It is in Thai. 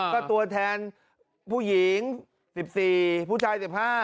ก็ตัวแทนผู้หญิง๑๔ผู้ชาย๑๕